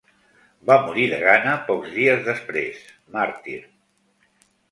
Va morir de gana pocs dies després, màrtir.